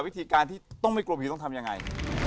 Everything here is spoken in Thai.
วิธีการที่ต้องไม่กลัวผีต้องทำยังไง